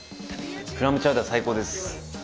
クラムチャウダー最高です。